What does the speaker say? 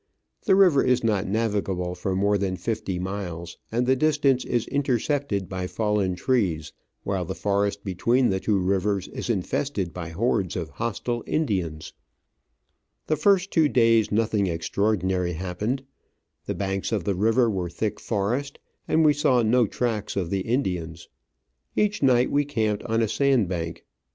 The river is not navigable for more than fifty miles, and the distance is intercepted by fallen trees, while the forest between the two rivers is infested by hordes of hostile Indians. The first two days nothing extraordinary happened ; the banks of the river were thick forest, and we saw no tracks of the Digitized by VjOOQIC OF AN Orchid Hunter, 165 Indians. Each night we camped on a sand bank.